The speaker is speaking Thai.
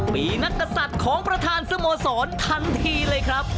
ปีนักศัตริย์ของประธานสโมสรทันทีเลยครับ